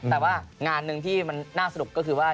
แต่ว่างานหนึ่งที่มันน่าสนุกก็คือว่า